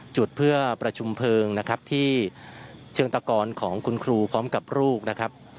จุดเพื่อประชุมเพลิงนะครับที่เชิงตะกอนของคุณครูพร้อมกับลูกนะครับ